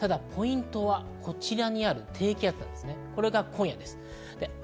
ポイントはこちらにある低気圧です。